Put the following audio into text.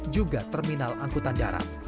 juga terminal angkutan darat